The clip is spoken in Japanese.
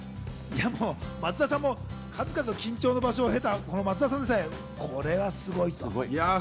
松田さんも数々の緊張の場所をへた松田さんでさえ、すごい。